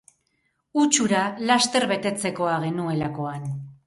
Huts hura laster betetzekoa genuelakoan